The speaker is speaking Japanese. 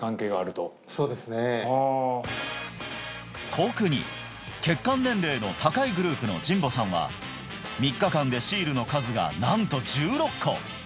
特に血管年齢の高いグループの神保さんは磽日間でシールの数がなんと１６個！